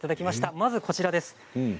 まずは、こちらです。